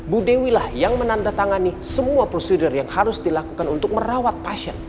bu dewi lah yang menandatangani semua prosedur yang harus dilakukan untuk merawat pasien